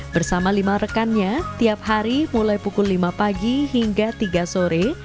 bersama lima rekannya tiap hari mulai pukul lima pagi hingga tiga sore